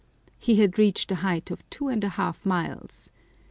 He had reached the height of two and a half miles.